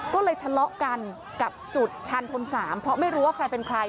ก็เลยทะเลาะกันกับจุดชานทน๓เพราะไม่รู้ว่าใครเป็นใคร